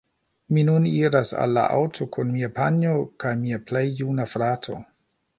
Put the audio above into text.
Mi nun iras al la aŭto kun mia panjo kaj mia plej juna frato